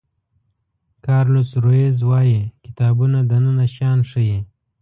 کارلوس رویز وایي کتابونه دننه شیان ښیي.